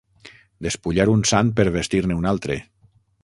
Despullar un sant per vestir-ne un altre.